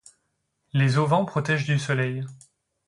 Les auvents protègent du soleil.